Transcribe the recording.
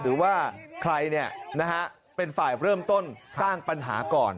หรือว่าใครเป็นฝ่ายเริ่มต้นสร้างปัญหาก่อน